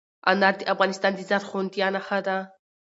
انار د افغانستان د زرغونتیا نښه ده.